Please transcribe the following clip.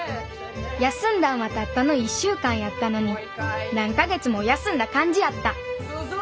休んだんはたったの１週間やったのに何か月も休んだ感じやった鈴子！